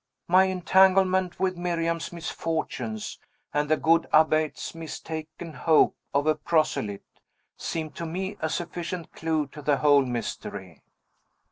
"My entanglement with Miriam's misfortunes, and the good abbate's mistaken hope of a proselyte, seem to me a sufficient clew to the whole mystery."